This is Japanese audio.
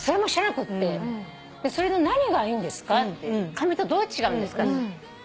紙とどう違うんですか？